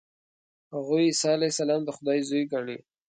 هغوی عیسی علیه السلام د خدای زوی ګڼي.